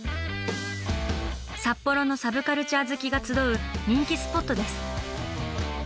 札幌のサブカルチャー好きが集う人気スポットです。